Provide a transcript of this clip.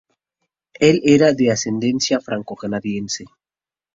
Él era de ascendencia franco-canadiense.